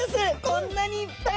こんなにいっぱい！